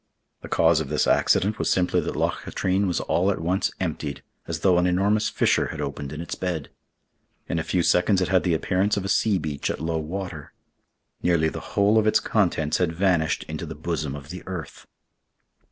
The cause of this accident was simply that Loch Katrine was all at once emptied, as though an enormous fissure had opened in its bed. In a few seconds it had the appearance of a sea beach at low water. Nearly the whole of its contents had vanished into the bosom of the earth.